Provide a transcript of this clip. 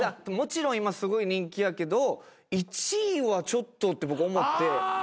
もちろん今すごい人気やけど１位はちょっとって僕思って。